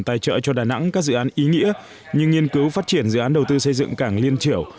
tài trợ cho đà nẵng các dự án ý nghĩa như nghiên cứu phát triển dự án đầu tư xây dựng cảng liên triểu